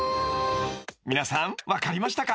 ［皆さん分かりましたか？］